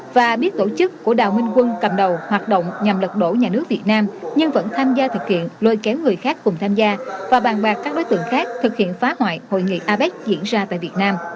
và biết tổ chức của đào minh quân cầm đầu hoạt động nhằm lật đổ nhà nước việt nam nhưng vẫn tham gia thực hiện lôi kéo người khác cùng tham gia và bàn bạc các đối tượng khác thực hiện phá hoại hội nghị apec diễn ra tại việt nam